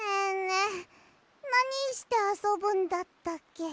えなにしてあそぶんだったっけ？